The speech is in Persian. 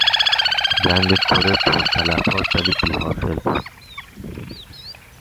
جنگ کره پرتلفات ولی بیحاصل بود.